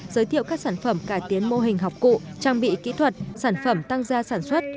giới thiệu các sản phẩm cải tiến mô hình học cụ trang bị kỹ thuật sản phẩm tăng gia sản xuất